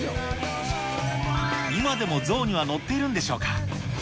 今でも象には乗っているんでしょうか。